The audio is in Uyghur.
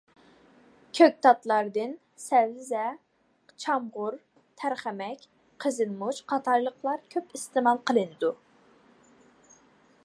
كۆكتاتلاردىن سەۋزە، چامغۇر، تەرخەمەك، قىزىلمۇچ قاتارلىقلار كۆپ ئىستېمال قىلىنىدۇ.